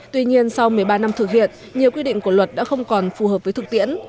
tuy nhiên sau một mươi ba năm thực hiện nhiều quy định của luật đã không còn phù hợp với thực tiễn